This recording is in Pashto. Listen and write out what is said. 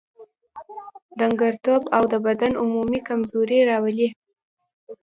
ډنګرتوب او د بدن عمومي کمزوري راولي.